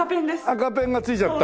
赤ペンが付いちゃった。